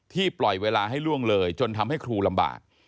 ปล่อยเวลาให้ล่วงเลยจนทำให้ครูลำบาก